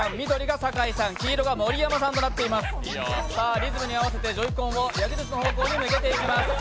リズムに合わせてＪｏｙ−Ｃｏｎを矢印の方向に振っていきます。